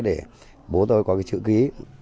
để bố tôi có cái chữ ký